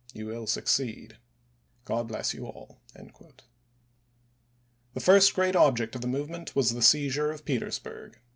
You will succeed. God bless you all." The first great object of the movement was the seizure of Petersburg.